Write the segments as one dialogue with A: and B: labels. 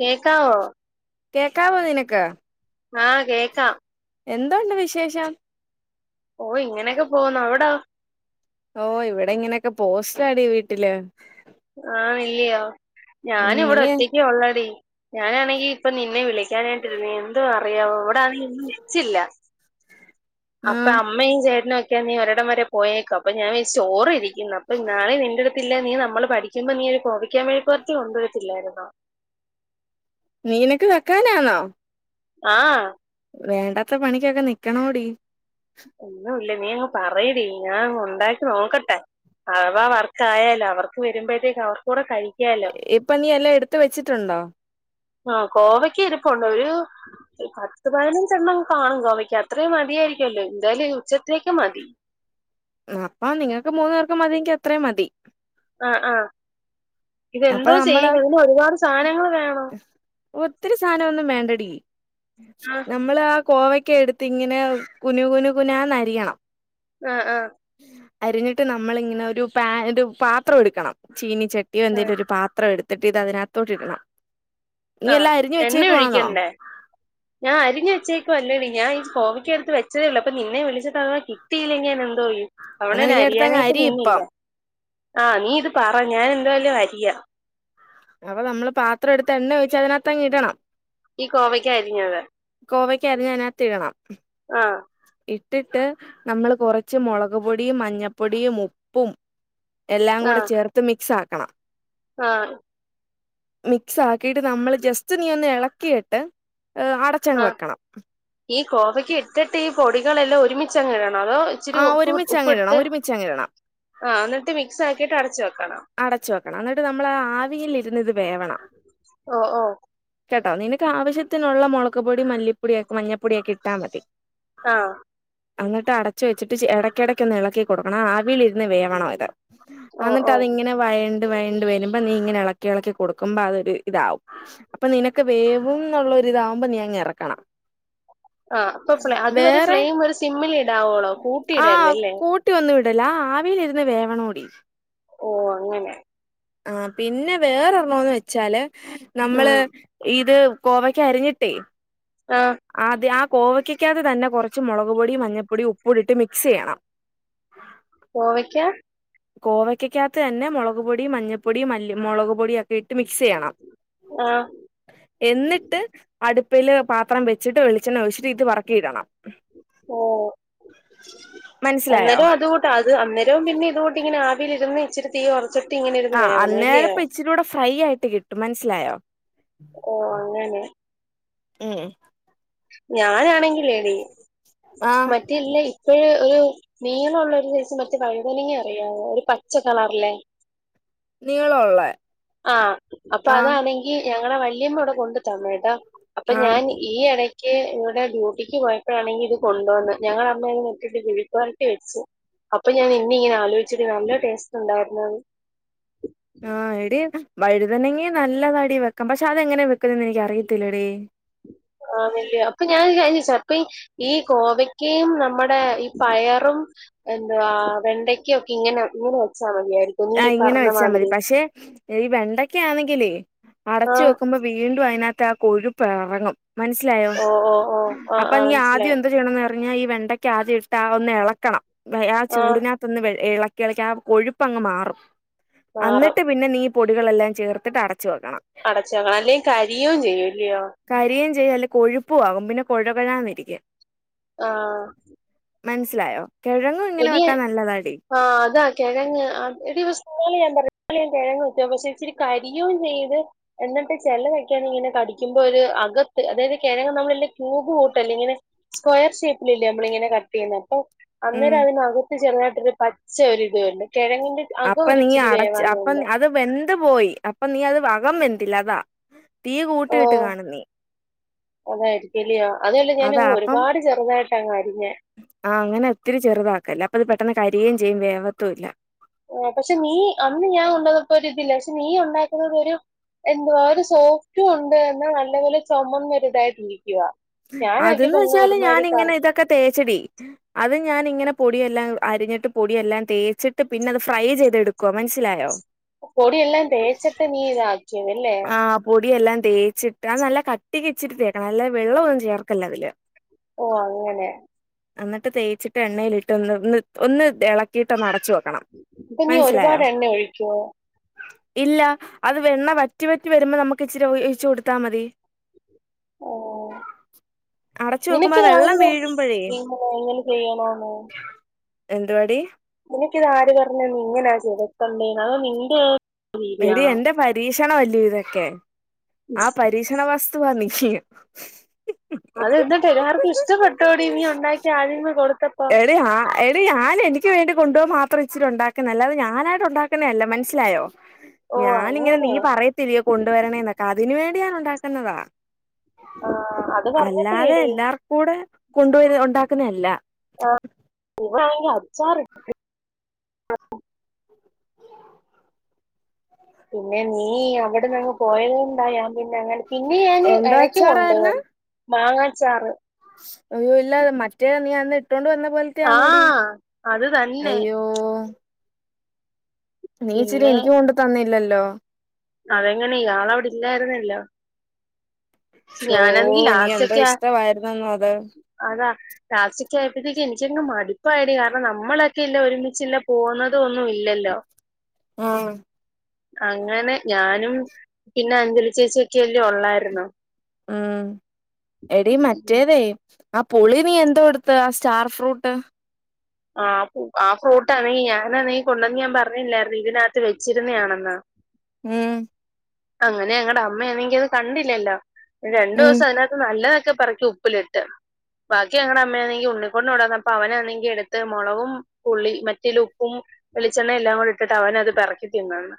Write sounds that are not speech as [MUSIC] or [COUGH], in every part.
A: കേക്കാവോ
B: കേക്കാാവോ നിനക്ക്
A: ആഹ് കേക്കാം
B: എന്തുണ്ട് വിശേഷം
A: ഓഹ് ഇങ്ങനെയൊക്കെ പോന്നോ അവിടാ
B: ഓഹ് ഇവിടെ ഇങ്ങനെയൊക്കെ പോസ്റ്റാടി വീട്ടില്
A: ആഹ് യോ
B: ഉം
A: ഞാന്
B: നീ
A: ഇവിടെ ഒറ്റയ്ക് ഒള്ളടി ഞാനാണെങ്കി ഇപ്പ നിന്നെ വിളിക്കാനായിട്ടിരുന്നു എന്തും അറിയാവൊ വിടൊണെങ്കി ഒന്നും വിളിച്ചില്ല
B: ആ
A: അപ്പൊ അമ്മയും ചേട്ടനും ഒക്കെ നീ ഒരിടം വരെ പോയേക്കും അപ്പൊ ഞാൻ വിയാര്ച് ചോറ് ഇരിക്കുന്നു അപ്പൊ നാളെ നിന്റെരു പിന്നെ നീ നമ്മള് പഠിക്കുമ്പോ നീ ഒരു കോവിക്കാ മെഴുക്കു വെര്തി കൊണ്ടുവരത്തില്ലായിര്ന്നോ
B: നീനക്ക് വെക്കാനാണോ
A: ആഹ്
B: വേണ്ടാത്ത പണിക്കൊക്കെ നിക്കണോടി
A: ഒന്നുല്ല നീ അങ്ങ് പറയിടി ഞാൻങ് ഉണ്ടാക്കി നോക്കട്ടെ അവവാ വർക്കായാലോ അവർക്ക് വരുമ്പോഴത്തേക്ക് അവർക്കൂടെ കഴി
B: ഇപ്പം നീ എല്ലാം എടുത് വെച്ചിട്ടുണ്ടോ
A: ആഹ് കോവക്കരിപ്ണ്ടോ ഒരു ഇ പത്ത് പതിനഞ്ചണ്ണം കാണും ഗോമക്ക് അത്രയും മതിയായിരിക്കുല്ലോ എന്തായാലും ഉച്ചത്തേക്ക് മതി
B: ന്നപ്പം നിങ്ങൾക്ക് മൂന്ന്പേർക്ക് മതിയെങ്കി അത്രയും മതി
A: ആ ആഹ
B: അപ്പൊ
A: ഇതെന്തോ
B: നമ്മള്
A: ചെയ്യണം ഇതിന് ഒരുപാട് സാധനങ്ങൾ വേണോ
B: ഒത്തിരി സാനം ഒന്നും വേണ്ടടി
A: ആ
B: നമ്മള് ആഹ് കോവക്ക എടു ങ്ങനെ കുനു കുനു കുനന്നരിയണം
A: ആഹ് ആഹ്
B: അരിഞ്ഞിട്ട് നമ്മളി ഇങ്ങനെ ഒരു പാ ഒരു പാത്രം എടുക്കണം ചീനി ചട്ടി
A: ആ
B: ഒരു പാത്രം എടുത്തിട്ട് ഇത് അതിനകത്തോട്ട ഇടണം നീ
A: ആ
B: എല്ലാം അരഞ്
A: എണ്ണ
B: വെച്ചേക്കന്നോ
A: ഒഴിക്കണ്ടേ ഞാൻ അരിഞ് വച്ചേക്കു അല്ലടീ ഞാ ഈ കോവക്ക എടുത്ത് വെച്ചതെള്ളൂ അപ്പ നിന്നെ വിളിച്ചിട്ട തവാ കിട്ടയില്ലങ്കി ഞാന് എന്തോയ്യും അവടെ
B: എന്നാ നീ എടുത്തങ്ങ്
A: അരിയാനായിട്ട്
B: അരി
A: നിന്നില്ല
B: ഇപ്പം
A: ആഹ നീ ഇത് പറ ഞാൻ എന്തായാലും അരിയാം
B: അപ്പം നമ്മള് പാത്രം എടുത്ത് എണ്ണ ഒഴിച്ച് അതിനകത്ത്ങ്ങിടണം
A: ഈ കോവയ്ക്ക് അരിഞ്ഞത്
B: ഗോവക്ക അരിഞ് അയനകത്തിടണം
A: ആ
B: ഇട്ടിട്ട് നമ്മൾ കുറച്ച് മുളക് പൊടിയും മഞ്ഞപ്പൊടിയും ഉപ്പും എല്ലാം കൂടെ ചേർത്ത് മിക്സ് ആക്കണം
A: ആഹ്
B: മിക്സ് ആക്കിട്ട് നമ്മള് ജസ്റ്റ് നീ ഒന്ന് ഇളക്കിയിട്ട് എഹ്
A: ആ
B: അടച്ചങ്ങ് വെക്കണം
A: ഈ കോവയ്ക്ക ഇട്ടിട്ട് ഈ പൊടികളെല്ലാം ഒരുമിച്ചങ് ഇടണോ അതോ ഇച്ചിരി
B: ആ
A: ഉഉപ്പ്
B: ഒരുമിച്ചങ്ങിടണം
A: ഇട്ട്
B: ഒരുമിച്ചങ്ങിടണം
A: ആഹ് എന്നിട്ട് മിക്സ് ആക്കിട്ട് അടച് വെക്കണം
B: അടച്ചു വെക്കണം എന്നിട്ട് നമ്മൾ ആവിൽ ഇരുന്ന് ഇത് വേവണം
A: ഓ ഓ
B: കേട്ടോ നിനക്ക് ആവശ്യത്തിനുള്ള മുളക്പ്പൊടി മല്ലിപ്പൊടിയൊക്കെ മഞ്ഞൾപ്പൊടിയൊക്കെ ഇട്ടാ മതി
A: ആഹ്
B: എന്നട്ട്ടച്ച് വെച്ചിട്ട് ഇടയ്ക്കിടയ് ഒന്ന് ഇളക്കി കൊടുക്കണം ആവിൽരുന്ന് വേവണോ ഇത്
A: ഓഹ് ഓഹ്
B: ഇങ്ങനെ വയണ്ട് വയണ്ട് വരുമ്പോ നീ ഇങ്ങനെ ഇളക്കി ഇളക്കി കൊടുക്ക്മ്പൊ അതൊരു ഇതാവും അപ്പൊ നിനക്ക് വേവും എന്നുള്ളരിതാാവുമ്പോ നീ അങ് ഇറക്കണം
A: ആഹ് അപ്പൊ ഫ് അതു ഒരെ
B: വേറെ
A: ഫ്ലെയിം ഒരു സിമ്മിൽ ഇടാവോളോ കൂട്ടിയിടേര്ത് അല്ലേ
B: കുട്ടി ഒന്നും ഇടല ആവിൽഇരുന്ന് വേവണോടി
A: ഓഹ് അങ്ങനെ
B: ആഹ് പിന്നെ വേറെണോന്ന് വെച്ചാല് നമ്മള്
A: ഉം
B: ഇത് ഗോവക്ക അരിഞ്ഞിട്ടേ
A: ആഹ്
B: ആദ്യ ആഹ് കോവയ്ക്കക്കകത് തന്നെ കുറച്ച് മുളക് പൊടി മഞ്ഞൾപ്പൊടിയും ഉപ്പ് ഇട്ട് മിക്സ് ചെയ്യണം
A: കോവയ്ക്കാ
B: കോവയ്ക്കക്കകത്ത് തന്നെ മൊളക് പൊടി മഞ്ഞപ്പൊടി മല്ലി മൊളക് പൊടിയൊക്കെ ഇട്ട് മിക്സ് ചെയ്യണം
A: ആ
B: എന്നിട്ട് അടുപ്പില് പാത്രം വെച്ചിട്ട് വെളിച്ചെണ്ണ ഒഴിച്ചിട്ട് ഇത് പറക്കി ഇടണം
A: ഓ
B: മനസ്സിലായോ
A: അന്നേരം അതുകൂ ട്ടത് അന്നരവും പിന്നെ ഇതുകൂട്ടി ഇങ്ങനെ ആവിയിലിരുന്ന് ഇച്ചിരി തീ കൊറച്ച്
B: ആഹ് അന്നേരം ഇപ്പം ഇച്ചിരി കൂടെ ഫ്രൈ ആയിട്ട് കിട്ടും മനസ്സിലായോ
A: ഓ അങ്ങനെ
B: ഉം
A: ഞാനാണെങ്കിലേടി
B: ആഹ്
A: മറ്റേ ഇല്ലേ ഇപ്പഴ് ഒരു നീളൊള്ള ഒരു സൈസ് മറ്റേ വഴുതനങ്ങ അറിയാവോ ഒരു പച്ച കളറിലെ
B: നീളൊള്ളെ
A: ആഹ് അപ്പൊ
B: ആഹ്
A: അതാണെങ്കി ഞങ്ങടെ വല്ല്യമ്മ ഇവിടെ കൊണ്ട് തന്ന് കേട്ടാ അപ്പൊ
B: ആഹ്
A: ഞാന് ഈ എടയ്ക്ക് ഇവിടെ ഡ്യൂട്ടിക്ക് പോയപ്പോഴാണെങ്കി ഇത് കൊണ്ടുവന്ന് ഞങ്ങളമ്മ ഇത് നോക്കിയിട്ട് [UNINTELLIGIBLE] പൊരട്ടി വെച്ചു അപ്പൊ ഞാൻ നിന്നെ ഇങ്ങനെ ആലോചിച്ചടി നല്ല ടേസ്റ്റ് ഉണ്ടായിരുന്നു അത്
B: ആഹ് എടീ വഴുതനെങ്ങെ നല്ലതാടി വെക്കം പക്ഷെ അത് എങ്ങനാ വെക്കുന്നേന്ന് എനിക്ക് അറിയത്തില്ലടി
A: ആന്നല്ലിയോ അപ്പൊ ഞാൻ ഒരു കാര്യം ചോച്ച അപ്പ ഈ ഈ കോവയ്ക്കയും നമ്മുടെ ഈ പയറും എന്തുവാ വെണ്ടയ്ക്കൊക്കെ ഇങ്ങനെ ഇങ്ങനെ വെച്ചാ മതിയായിരിക്കും നീ
B: ആ ഇങ്ങനെ
A: പറഞ്ഞ
B: വെച്ചാ മതി
A: മാതിരി
B: പക്ഷെ ഈ വെണ്ടക്ക ആണെങ്കിലേ അടച്ചു
A: ആഹ്
B: വെക്കുമ്പോ വീണ്ടും അതിനകത്ത് ആഹ് കൊഴുപ്പെറങ്ങും മനസ്സിലായോ
A: ഓഹ് ഓഹ് ഓഹ് ആഹ്
B: അപ്പൊ
A: ആഹ്
B: നീ ആദ്യം
A: മനസ്സിലായി
B: എന്തോ ചെയ്യണംന്ന് പറഞ്ഞ ഈ വെണ്ടയ്ക്ക ആദ്യം ഇട്ട ആ ഒന്ന് എളക്കണം വ ആ
A: ആഹ്
B: ചൂടിനാ ത്ത്ന്ന് വെ എളക്കി എളക്കി ആഹ് കൊഴുപ്പങ്ങ് മാറും
A: മാറും
B: അന്നിട്ട് പിന്നെ നീ പൊടികളെല്ലാം ചേർത്തിട്ട് അടച്ചു വെക്കണം
A: അടച്ച് വെക്കണം അല്ലെ കരിയും ചെയ്യു അല്ലിയോ
B: കരിയെം ചെയ്യും അല്ലെ കൊഴുപ്പു ആവും പിന്നെ കൊഴകൊഴാന്നിരിക്കും
A: ആ
B: മനസ്സിലായോ കെഴങ്ങും ഇങ്ങനെ വെക്കാൻ നല്ലതാടി
A: ആ അതാ കെഴങ്ങ് ആ എടി സ്കൂളി ഞാൻ പറഞ്ഞ് ഞാൻ കിഴങ്ങ് വെച്ച് പക്ഷെ ഇച്ചിരി കരിയും ചെയ്ത് എന്നിട്ട് ചെലതക്കയാണെങ്കി ഇങ്ങനെ കടിക്കുമ്പോ ഒരു അകത്ത് അതായത് കെഴങ്ങ് നമ്മളില്ലേ ക്യൂബ് കൂട്ടല്ലേ ഇങ്ങനെ സ്ക്വയർ ഷേപ്പിലല്ലേ നമ്മള് ഇങ്ങനെ കട്ട് ചെയ്യുന്നെ അപ്പൊ
B: ഉം
A: അന്നേരം അതിന് അകത്ത് ചെറതായിട്ടൊരു പച്ച ഒരുരിതുണ്ട് കെഴങ്ങിന്റെ
B: അപ്പം നീ അടച്ച് അപ്പം അത് വെന്ത് പോയി അപ്പം നീ അത് അകം വെന്തില്ല അതാ തീ കൂട്ടിയിട്ട് കാണും നീ
A: അതായിരിക്കല്ലയോ അതല്ല
B: അതാ
A: ഞാനങ്ങ്
B: അപ്പം
A: ഒരുപാട് ചെറുതായിട്ട അങ്ങ് അരിഞ്ഞേ
B: ആഹ് അങ്ങനെ ഒത്തിരി ചെറുതാക്കല്ല് അപ്പൊ അത് പെട്ടെന്ന് കരിയെം ചെയ്യും വേവത്തു ഇല്ല
A: പക്ഷെ നീ അന്ന് ഞാൻ കൊണ്ട് വന്നപ്പോ ഒരുതില്ലേ പക്ഷെ നീ ഒണ്ടാക്കുന്നത് ഒരു എന്തുവാ ഒരു സോഫ്റ്റും ഉണ്ട് എന്നാ നല്ലപോലെ ചൊമന്ന് ഒരിതായിട്ടിരിക്കുവാ
B: അതന്ന് വെച്ചാല് ഞാനിങ്ങനെ ഇതൊക്കെ തേച്ചടി അത് ഞാനിങ്ങനെ പൊടിയെല്ലാം അരിഞ്ഞിട്ട് പൊടിയെല്ലാം തേച്ചിട്ട് പിന്നെ അത് ഫ്രൈ ചെയ്തെടുക്കുവാ മനസ്സിലായോ
A: പൊടിയെല്ലാം തേച്ചിട്ട് നീ ആ
B: ആഹ് പൊടിയെല്ലാം തേച്ചിട്ട് അത് നല്ല കട്ടിക്ക് ഇച്ചിരി തേക്കണം അല്ലെ വെള്ള ഒന്നും ചേർക്കല്ല് അതില്
A: ഓ അങ്ങനെ
B: എന്നിട്ട് തേച്ചിട്ട് എണ്ണയിലിട്ട് ഒന്ന് ഒന്ന് ഒന്ന് എളക്കിയിട്ടൊന്ന് അടച്ച് വെക്കണം
A: ഇപ്പ നീ
B: മനസ്സിലായോ
A: ഒരുപാട് എണ്ണ ഒഴിക്കുവോ
B: ഇല്ല അത് വെണ്ണ വ റ്റി വറ്റി വരുമ്പോ നമുക്ക് ഇച്ചിരി ഒഴിച്ചു കൊടുത്താ മതി
A: ഓ
B: അടച്ചു വെക്കുമ്പോ
A: നിനക്കിത് ആര്
B: വെള്ളം
A: പറ [UNINTELLIGIBLE]
B: വീഴുമ്പഴേ
A: എങ്ങനെ ചെയ്യണോന്ന്
B: എന്തുവാടി
A: നിനിക്കിത് ആര് പറഞ്ഞ് തന്ന് ഇങ്ങനാ ചേർക്കണ്ടേന്ന് അതോ നിന്റെ ആ
B: എടി എന്റെ പരീക്ഷണം അല്ലേ ഇതൊക്കെ ആഹ് പരീക്ഷണ വസ് [UNINTELLIGIBLE]
A: അത് എന്നിട്ട് എല്ലാവർക്കും ഇഷ്ടപ്പെട്ടോടി നി ഉണ്ടാക്കി ആരെങ്കിലും കൊടുത്തപ്പോ
B: അതെഹ എടി ഞാൻ എനിക്ക് വേണ്ടി കൊണ്ടുപോവാ മാത്രം ഇിച്ചിരി ഉണ്ടാക്കുന്നയാ അല്ലാതെ ഞാനായിട്ട് ഉണ്ടാക്കുന്നതല്ല മനസ്സിലായോ
A: ഓ
B: ഞാനിങ്ങനെ നീ
A: അങ്ങനെ
B: പറയത്തില്ലയോ കൊണ്ടുവരണേന്നൊക്ക അതിന് വേണ്ടി ഞാനുണ്ടാക്കുന്നതാ
A: ആ അത്
B: അല്ലാതെ
A: പറഞ്ഞപ്പോഴേടി
B: എല്ലാർക്കു കൂടെ കൊണ്ട്പോയി ഉണ്ടാക്കുന്ന അല്ല
A: ആ [UNINTELLIGIBLE] അച്ചാറ് [UNINTELLIGIBLE] പിന്നെ നീ അവിടെന്നങ്ങ് പോയത്കൊണ്ടാ ഞാൻ പിന്നെ അങ്ങന പിന്നെ ഞാന്
B: എന്തോ
A: എഴക്ക് കൊണ്ട്
B: അച്ചാറായിരുന്ന്
A: പോവാര് മാങ്ങാച്ചാറ്
B: അയ്യോ ഇല്ല മറ്റേ നീ അന്ന് ഇട്ടോണ്ട് വന്ന പോൽ
A: ആ
B: ക്കയാന്നോടി
A: അത് തന്നെ
B: അയ്യോ നീ ഇച്ചിരി
A: പിന്നെ
B: എനിക്ക് കൊണ്ട് തന്നില്ലല്ലോ
A: അതെങ്ങനെ യാള് അവിടെ ഇല്ലായിരുന്നല്ലോ പക്ഷെ
B: ഷോ
A: ഞാനാണെങ്കിൽ
B: എനി
A: ലാസ്റ്റ്
B: എന്തോ
A: ഒക്കെ ആ-
B: ഇഷ്ടവായിരുന്നെന്നോ അത്
A: അതാ ലാസ്റ്റക്കയായപ്പോഴത്തേക്ക് എനിക്കങ്ങ് മടുപ്പായെടി കാരണം നമ്മളൊക്കെ ഇല്ല ഒരുമിച്ചില്ല പോകുന്നതും ഒന്നും ഇല്ലല്ലോ
B: ആഹ്
A: അങ്ങനെ ഞാനും പിന്നെ അഞ്ജലി ചേച്ചിയക്കെ അല്ലേ ഒള്ളായിരുന്നു
B: ഉം എടീ മറ്റേതേ ആ പുളി നീ എന്തോ എടുത്ത് ആ സ്റ്റാർ ഫ്രൂട്ട്
A: ആഹ് ആ ഫ്രൂട്ടാണെങ്കി ഞാനാണെങ്കി കൊണ്ടുവന്ന് ഞാൻ പറഞ്ഞില്ലായിരുന്നു ഇതിനകത്ത് വെച്ചിരുന്നതാണെന്ന്
B: ഉം
A: അങ്ങനെ ഞങ്ങടെ അമ്മയാണെങ്കിൽ അത് കണ്ടില്ലല്ലോ രണ്ടു
B: ഉം
A: ദിവസം അതിനകത്ത് നല്ലതൊക്കെ പെറക്കി ഉപ്പിലിട്ട് ബാക്കി അങ്ങടെ അമ്മയാണെങ്കി ഉണ്ണികുട്ടന് കൊണ്ടോന്നപ്പം അവനാണെങ്കി എടു മൊളകും പുളി മറ്റേ ല്ലഉപ്പും വെളിച്ചെണ്ണയും എല്ലാം കൂടി ഇട്ടിട്ട് അവൻ അത് പെറക്കി തിന്നന്ന്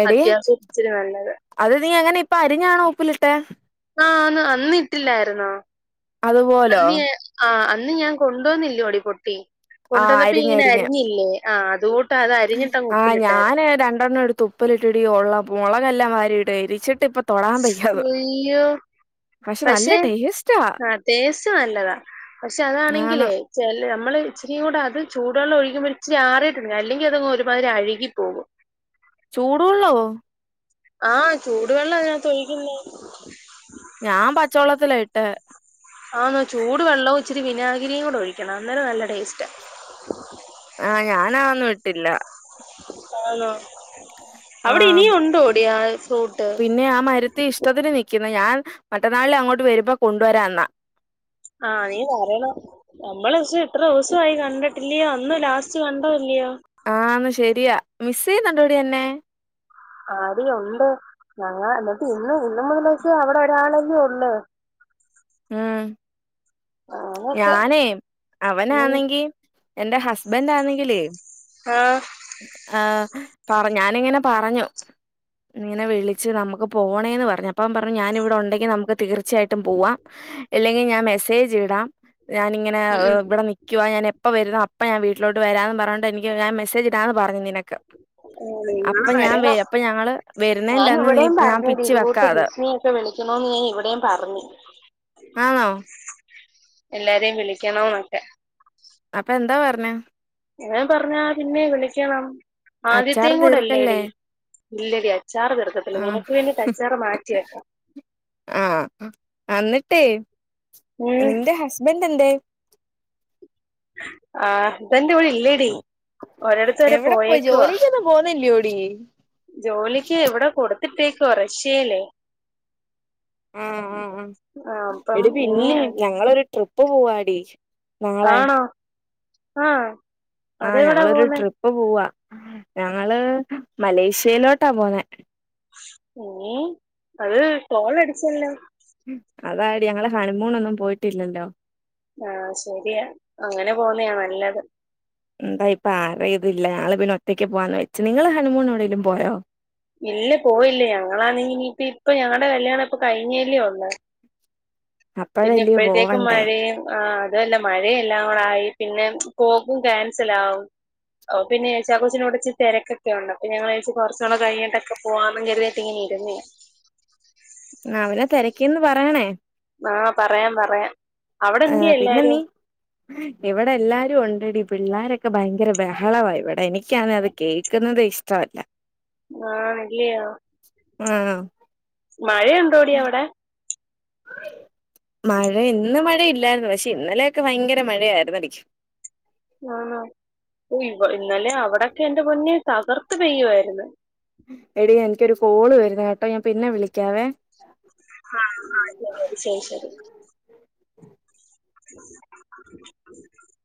B: എടി
A: അത്യാവശ്യം ഇച്ചിരി നല്ലത്
B: അത് നീ അങ്ങനെ ഇപ്പ അരിഞ്ഞാണോ ഉപ്പിലിട്ടെ
A: ആഹ് അന്ന് അന്നിട്ടില്ലായിരുന്ന
B: അതുപോലോ
A: അന്നിയേ ആഹ് അന്ന് ഞാൻ കൊണ്ടുവന്നില്ലോടി [UNINTELLIGIBLE]
B: ആ
A: കൊണ്ടുവന്നപ്പോ ഇങ്ങനെ
B: അരിഞ്ഞരിഞ്ഞ്
A: അരിഞ്ഞില്ലേ ആഹ അതുകൊട്ട് അത് അരിഞ്ഞിട്ടങ് ഉപ്പിലിട്ടരുന്നു
B: ഹെ രണ്ടെണ്ണം എടുത്തു ഉപ്പിലിട്ടെടി ഒള്ള മുളകെല്ലാം വാരിട്ട് എരിച്ചട്ടിപ്പം
A: ഇയ്യോ
B: നല്ല
A: പക്ഷെ
B: ടേസ്റ്റാ
A: ആഹ് ടേസ്റ്റ് നല്ലതാ പക്ഷെ
B: ആന്ന്
A: അതാണെങ്കിലേ ചെ നമ്മള് ഇച്ചിരിയും കൂടെ അത് ചൂടുെള്ളം ഒഴുകുമ്പോൾ ഇച്ചരി ആറിയിട്ടുണ്ട അല്ലെങ്കിൽ അതങ്ങ് ഒരുമാതിരി അഴുകി പോകും
B: ചൂടുവെള്ളവോ
A: ആഹ് ചൂടുവെള്ളാഅയ്നകത്ത് ഒയ്ക്കുന്നേ.
B: ഞാൻ പച്ചവള്ളത്തില ഇട്ടെ.
A: ആന്നോ ചൂട് വെള്ളവും ച്ചിരി വിനാഗിരിയും കൂടെ ഒഴിക്കണം അന്നേരം നല്ല ടേസ്റ്റാ
B: ആഹ് ഞാനാ ഒന്നും ഇട്ടില്ല.
A: ആണോ. അവിടെ
B: ആ
A: ഇനിയും ഉണ്ടോ ടീ ആ ഫ്രൂട്ട്
B: പിന്നെ ആമരു ത്തി ഇഷ്ടത്തിന് നിക്കുന്നു ഞാൻ മറ്റന്നാളില് അങ്ങോട്ട് വരുമ്പോ കൊണ്ടുവരാന്നാ
A: ആഹ നീ വരണം. നമ്മള് പക്ഷെ എത്ര ദിവസമായി കണ്ടിട്ടില്ലയോ അന്ന് ലാസ്റ്റ് കണ്ടോില്ലയോ?
B: ആന്ന് ശരിയാ. മിസ്സേയ്യുന്ന്ണ്ടോടി എന്നെ?
A: ആടീ ഒണ്ട്. ഞങ്ങ ന്നട്ട് ഇന്ന് ഇന്ന് [UNINTELLIGIBLE] അവടെ ഒരാളെന്നെ ഒള്ള്.
B: ഉം.
A: അങ്ങനെയൊക്കെ
B: ഞാനേ
A: ഉം.
B: അവനാണെങ്കി എന്റെ ഹസ്ബന്റ് ആന്നെങ്കിലെ
A: ആഹ്
B: ആഹ്, പറ ഞാനിങ്ങനെ പറഞ്ഞു. ഇന്നിങ്ങനെ വിളിച്ച് നമുക്ക്‌ പോണേന്ന് പറഞ്ഞ്. അപ്പ പറഞ്ഞ് ഞാന ഇവിടെ ഉണ്ടെങ്കിൽ നമുക്ക് തീർ ച്ചായിട്ട് പോവാ ഇല്ലെങ്കിൽ ഞാൻ മെസ്സേജ്ടാ ഞാനിങ്ങനെ
A: ഉം ഉം.
B: ഇവടെ നിക് ക്യുവാ ഞാൻ എപ്പ വര്ന്നോ അപ്പ ഞാ വീട്ടിലോട്ട് വരാന്ന് പറഞ്ഞൊണ്ട് എനിക്ക് മെസേജ് ഇടാന്ന് പറഞ്ഞു നിനക്ക്
A: ആ നിങ്ങള്
B: അപ്പം ഞാൻ വേ
A: വരണം
B: അപ്പൊ ഞങ്ങള് വെര്ന്നേൻ്റന്ന് നീ ഞാൻ പിച്ചു വെക്കാത്.
A: ഇപ്പ വിളിക്കണോന്ന് ഞാ ഇവിടെയും പറഞ്ഞ്.
B: ആണോ?
A: എല്ലാരേം വിളിക്കണംന്നൊക്കെ
B: അപ്പൊ എന്താ പറഞ്ഞെ?
A: ഞാപറഞ്ഞാ പിന്നെ വിളിക്കണം.
B: അച്ചാറ്
A: ആദ്യത്തെയും കൂടെ അല്ലേടി.
B: തീർക്കല്ലേ
A: ഇല്ലടി അച്ചാറ് തീർക്കത്തില്ല.
B: ആഹ്
A: നിനക്ക് വേണ്ടിട്ട് അച്ചാറ് മാറ്റി വെക്കാം.
B: ആഹ്. അന്നിട്ടേ
A: ഉം
B: നിന്റെ ഹസ്ബൻ്റെ ന്തെ?
A: ആ സ്ബന്റ് ഇവിടെ ഇല്ലടി ഒരിടത്ത് വരെ പോയേക്കുവ
B: ന്ന് പോന്നി ല്യോടീ?
A: ജോലിക്ക് വടെ കൊട്ത്തിട്ടേക്കുവാ റഷ്യയിലേ
B: ആഹ് ആഹ് ആഹ്.
A: ആ അപ്പം
B: എടി
A: ഇനി
B: പിന്നെ
A: അത്
B: ഞങ്ങളൊര് ട്രിപ്പ് പോവാടി. നാളെ
A: ആണോ ആഹ്
B: ആഹ്. ഞങ്ങളൊരു ട്രിപ്പ് പോവാ. ഞങ്ങള് മലേഷ്യയിലോട്ടാ പോന്നെ.
A: ഏഹ് അത് കോളടിച്ചല്ലോ
B: അതാടി ഞങ്ങള് ഹണിമൂണൊന്നും പോയിട്ടില്ലല്ലോ
A: ആഹ് ശരിയാ അങ്ങനെ പോവുന്നയാ നല്ലത്.
B: എന്താ ഇപ്പൊ ആര ഇതില്ല. ഞങ്ങള് പിന്നെ ഒറ്റയ്ക്ക് പോവാന്ന് വെച്ചു. നിങ്ങള് ഹണിമൂണ എവിടെലും പോയോ?
A: ഇല്ല പോയില്ലേ ഞങ്ങളാന്ന ഇനിപ്പ ഇപ്പ ഞങ്ങടെ കല്യാണം ഇപ്പ കഴിഞ്ഞല്ലേ ഒള്ള് പിന്നെ
B: അപ്പഴല്ലയോ
A: ഇപ്പഴത്തേക്കും
B: പോവണ്ടേ
A: മഴയും ആ അതുവല്ല മഴയെല്ലാം കൂടായി പിന്നെ പോക്കും ക്യാൻസലാവും ഓ പിന്നെ ചാ കൊച്ചിനോടിച്ചി തിരക്കക്കെ ഉണ്ട് അപ്പൊ ഞാ വി യാരിച്ചു കൊറച്ചൊക്കെ കഴിഞ്ഞെ ടക്കെ പോവാം [UNINTELLIGIBLE] ട്ട് ഇങ്ങന ഇരുന്നേ.
B: അവരെ തെരക്കിന്ന് പറയണേ
A: ആഹ്. പറയാം പറയാം അവിടെ
B: ആഹ്.
A: എന്തിയെ
B: പിന്നെ നീ
A: എല്ലാരും
B: ഇവിടെ എല്ലാരും ഉണ്ടടി പിള്ളോരൊക്കെ ഭയങ്കര ബഹളവാ ഇവിടെ എനിക്ക് ക്ക്യാന്നെ അത് കേൾക്കുന്നതെ ഇഷ്ടവല്ല.
A: ആഹ് [UNINTELLIGIBLE]
B: ആണോ
A: മഴയുണ്ടോടി യവിടെ
B: മഴ ഇന്ന് മഴയില്ലായിരുന്നു. പക്ഷെ ഇന്നലെയൊക്കെ ഭയങ്കര മഴയായിർന്നെടി.
A: ആണോ. ഇവ ഇന്നലെ അവിടൊക്കെ എന്റെ പൊന്നെ തകർത്ത് പെയ്യായിരുന്നു.
B: എടീ എനിക്കൊരു കോള് വരുന്നു കേട്ടോ ഞാൻ പിന്നെ വിളിക്കാവേ.
A: ആഹ ആ ശ ശരി ശരി. [UNINTELLIGIBLE]